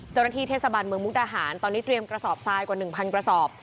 เจ้าหน้าที่เทศบาลเมืองมุกดาหารตอนนี้เตรียมกระสอบทรายกว่า๑๐๐กระสอบ